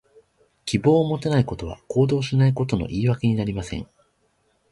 希望を持てないことは、行動しないことの言い訳にはなりません。